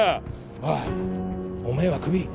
おいおめぇはクビ。